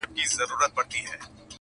ساقي نوې مي توبه کړه ډک جامونه ښخومه؛